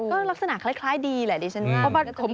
ก็ลักษณะคล้ายดีแหละดิฉันว่า